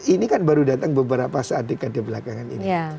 ini kan baru datang beberapa saat dekade belakangan ini